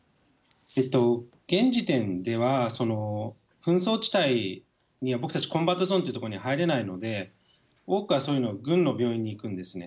現時点では、紛争地帯に、僕たち、コンバートゾーンという所には入れないので、多くは軍の病院に行くんですね。